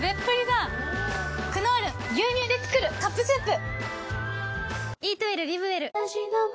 「クノール牛乳でつくるカップスープ」